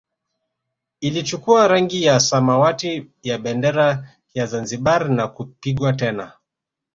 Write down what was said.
Ilichukua rangi ya samawati ya bendera ya Zanzibar na kupigwa tena